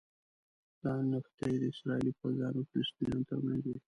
دا نښتې د اسراییلي پوځیانو او فلسطینیانو ترمنځ وي.